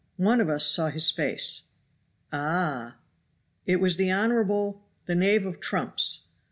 One of us saw his face." "Ah!" "It was the honorable the knave of trumps.